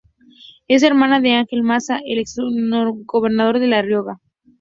Es hermana de Ángel Maza, el exgobernador de La Rioja.